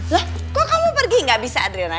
loh kok kamu pergi gak bisa adriana